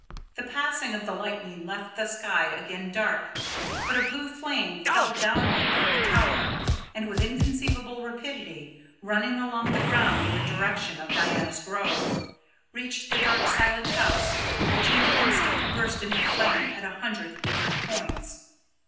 The passing of the lightning left the sky again dark, but a blue flame fell downward from the tower, and, with inconceivable rapidity, running along the ground in the direction of Diana's Grove, reached the dark silent house, which in the instant burst into flame at a hundred different points.